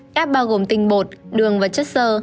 cáp bao gồm tinh bột đường và chất sơ